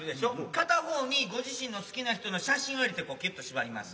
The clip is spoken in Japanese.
片方にご自身の好きな人の写真を入れてキュッと縛ります。